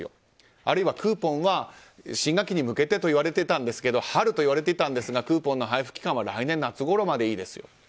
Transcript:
あるいはクーポンは新学期に向けてと春と言われてたんですがクーポンの配布期間は来年夏ごろまでいいですよと。